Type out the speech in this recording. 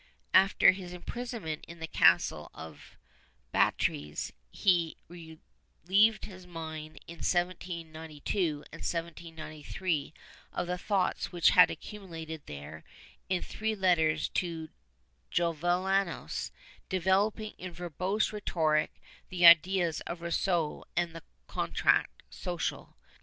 After his imprisonment in the castle of Batres, he relieved his mind in 1792 and 1793 of the thoughts which had accumulated there, in three letters to Jovellanos, developing in verbose rhetoric the ideas of Rousseau and the contrat social.